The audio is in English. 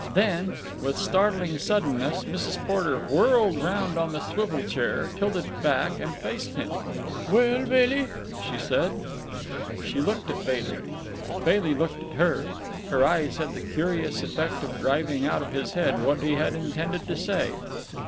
Then, with startling suddenness, Mrs. Porter whirled round on the swivel chair, tilted it back, and faced him. "Well, Bailey?" she said. She looked at Bailey. Bailey looked at her. Her eyes had the curious effect of driving out of his head what he had intended to say.